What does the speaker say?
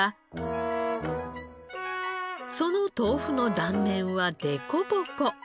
その豆腐の断面はデコボコ。